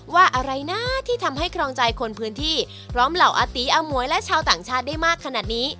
อะไรนะที่ทำให้ครองใจคนพื้นที่พร้อมเหล่าอาตีอมวยและชาวต่างชาติได้มากขนาดนี้